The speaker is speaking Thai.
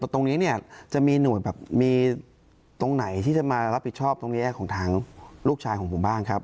ตรงนี้เนี่ยจะมีหน่วยแบบมีตรงไหนที่จะมารับผิดชอบตรงนี้ของทางลูกชายของผมบ้างครับ